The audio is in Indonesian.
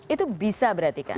itu bisa berarti kan